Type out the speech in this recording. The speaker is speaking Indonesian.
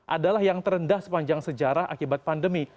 adalah yang terendah sepanjang sejarah akibat pandemi